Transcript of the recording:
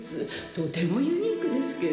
とてもユニークですけど。